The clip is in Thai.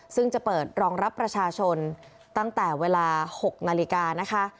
ซึ่งจะเปิดรองรับประชาชนตั้งแต่เวลา๖นาฬิกานะคะ